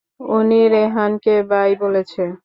উনি রেহানকে বাই বলেছে।